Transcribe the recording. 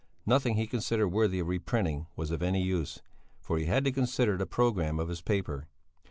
Nothing he considered worthy of reprinting was of any use, for he had to consider the programme of his paper.